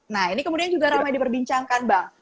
nah ini kemudian juga ramai diperbincangkan bang